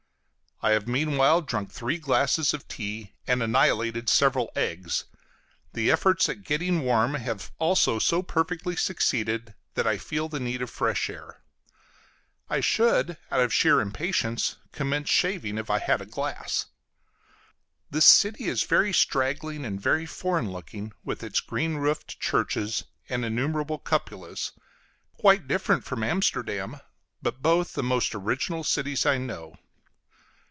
I have meanwhile drunk three glasses of tea and annihilated several eggs; the efforts at getting warm have also so perfectly succeeded that I feel the need of fresh air. I should, out of sheer impatience, commence shaving if I had a glass. This city is very straggling, and very foreign looking, with its green roofed churches and innumerable cupolas; quite different from Amsterdam, but both the most original cities I know.